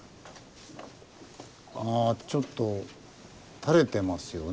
ああちょっと垂れてますよね。